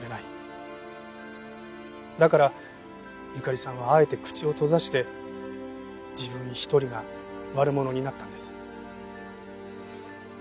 だからゆかりさんはあえて口を閉ざして自分一人が悪者になったんです。